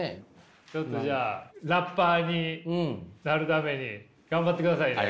ちょっとじゃあラッパーになるために頑張ってくださいね。